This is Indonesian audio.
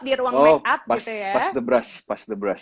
di ruang make up gitu ya oh pass the brush